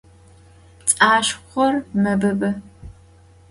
Pts'aşşxhor mebıbı.